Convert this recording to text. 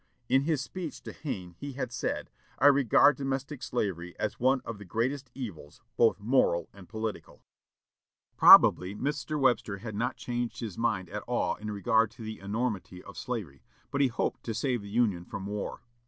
In his speech to Hayne he had said, "I regard domestic slavery as one of the greatest evils, both moral and political." Probably Mr. Webster had not changed his mind at all in regard to the enormity of slavery, but he hoped to save the Union from war.